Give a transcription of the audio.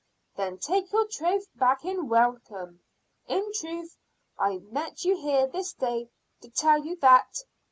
"Then take your troth back in welcome. In truth, I met you here this day to tell you that.